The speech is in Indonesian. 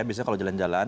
biasanya kalau jalan jalan